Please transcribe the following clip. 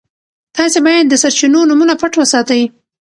تاسي باید د سرچینو نومونه پټ وساتئ.